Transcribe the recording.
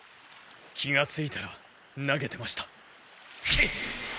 気がついたら投げてました。